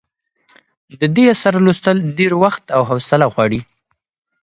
د دې اثر لوستل ډېر وخت او حوصله غواړي.